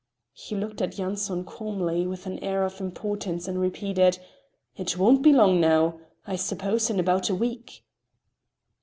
He looked at Yanson calmly with an air of importance and repeated: "It won't be long now. I suppose in about a week."